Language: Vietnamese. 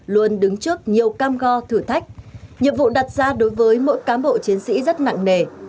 luôn đứng trước nhiều cam go thử thách nhiệm vụ đặt ra đối với mỗi cán bộ chiến sĩ rất nặng nề